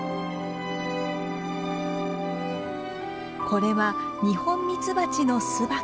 これはニホンミツバチの巣箱。